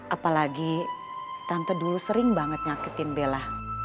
apalagi tante dulu sering banget nyakitin bella